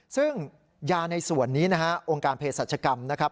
ซึ่งยาในส่วนนี้นะฮะองค์การเพศรัชกรรมนะครับ